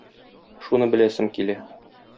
Шуны беләсем килә.